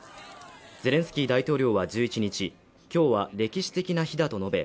ゼレンスキー大統領は１１日今日は歴史的な日だと述べ